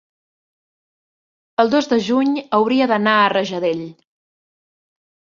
el dos de juny hauria d'anar a Rajadell.